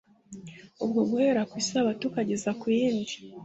ubwo «Guhera ku Isabato ukageza ku yindi`»